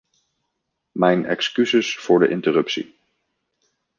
Mijn excuses voor de interruptie.